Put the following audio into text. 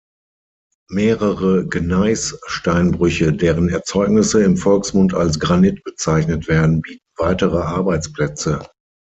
Mehrere Gneis-Steinbrüche, deren Erzeugnisse im Volksmund als Granit bezeichnet werden, bieten weitere Arbeitsplätze.